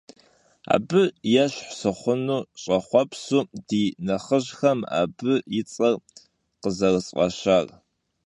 Abı yêşh sıxhunu ş'exhuepsu di nexhıjxem abı yi ts'er khızerısf'aşar.